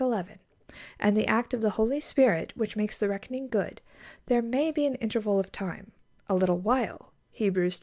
11), and the act of the Holy Spirit, which makes the reckoning good, there may be an interval of time, "a little while" (Hebrews x.